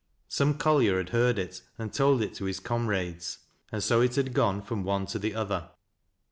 Some collier had heard it and had told it to his comrades, and so it had gone from one to the other.